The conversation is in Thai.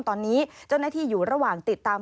ตอนนี้เจ้าหน้าที่อยู่ระหว่างติดตาม